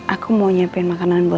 aku mau nyiapin makanan buat buka puasa